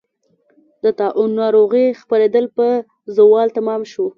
د طاعون ناروغۍ خپرېدل په زوال تمام شو.